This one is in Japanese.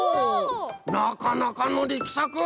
なかなかのりきさく！